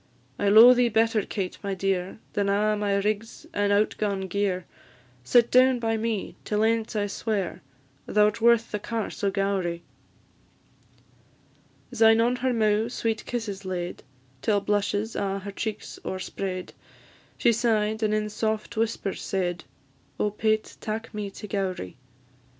I lo'e thee better, Kate, my dear, Than a' my rigs and out gaun gear; Sit down by me till ance I swear, Thou 'rt worth the Carse o' Gowrie." Syne on her mou' sweet kisses laid, Till blushes a' her cheeks o'erspread; She sigh'd, and in soft whispers said, "Oh, Pate, tak me to Gowrie!"